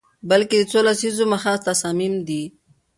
بلکه د څو لسیزو مخه تصامیم دي